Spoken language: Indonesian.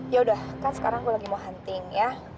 ya udah kan sekarang gue lagi mau hunting ya